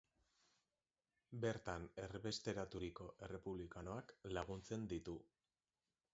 Bertan erbesteraturiko errepublikanoak laguntzen ditu.